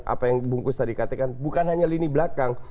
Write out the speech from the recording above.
apa yang bungkus tadi katakan bukan hanya lini belakang